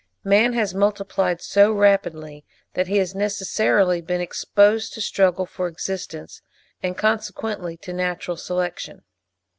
Man has multiplied so rapidly, that he has necessarily been exposed to struggle for existence, and consequently to natural selection.